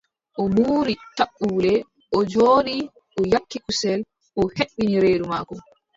O muuri caɓɓule, o jooɗi o ƴakki kusel, o hebbini reedu maako.